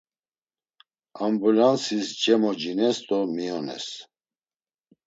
Ambulansis cemocines do miyones.